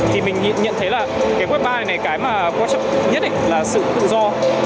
thì mình nhận thấy là cái web ba này cái mà quan trọng nhất là sự tự do